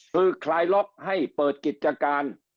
คือคลายล็อกให้เปิดกิจการ